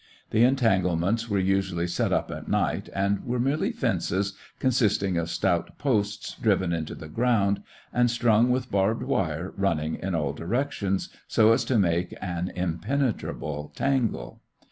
The entanglements were usually set up at night and were merely fences consisting of stout posts driven into the ground and strung with barbed wire running in all directions, so as to make an impenetrable tangle.